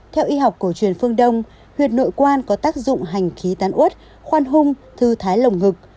theo y học cổ truyền phương đông huyện nội quan có tác dụng hành khí tán út khoan hung thư thái lồng ngực